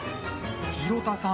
広田さん